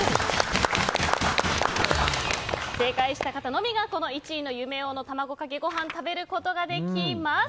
正解した方のみが１位の夢王の卵かけご飯を食べることができます。